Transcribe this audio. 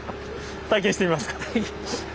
体験してみますか？